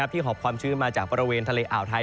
หอบความชื้นมาจากบริเวณทะเลอ่าวไทย